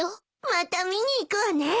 また見に行くわね。